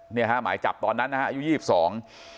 เนี่ยฮะหมายจับตอนนั้นนะฮะอายุยี่สิบสอง